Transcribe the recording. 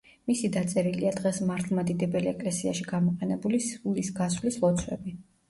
მისი დაწერილია დღეს მართლმადიდებელ ეკლესიაში გამოყენებული სულის გასვლის ლოცვები.